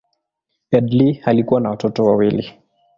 Headlee alikuwa na watoto wawili.